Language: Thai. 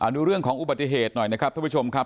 ดูเรื่องของอุบัติเหตุหน่อยนะครับท่านผู้ชมครับ